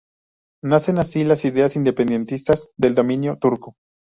Nacen así las ideas independentistas del dominio turco.